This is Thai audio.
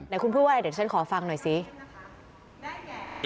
คุณพูดว่าอะไรเดี๋ยวฉันขอฟังหน่อยสิ